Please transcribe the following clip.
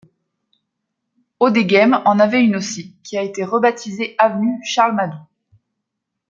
Audeghem en avait une aussi, qui a été rebaptisée Avenue Charles Madoux.